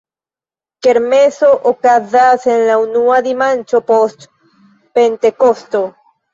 Kermeso okazas en la unua dimanĉo post Pentekosto.